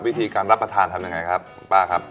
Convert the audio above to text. วิธีการรับประทานทำยังไงครับคุณป้าครับ